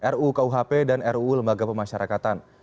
ru kuhp dan ruu lembaga pemasyarakatan